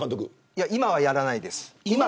今は、やらないです。